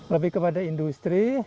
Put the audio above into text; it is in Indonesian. lebih kepada industri